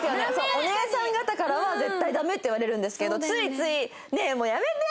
お姉さん方からは絶対ダメって言われるんですけどついつい。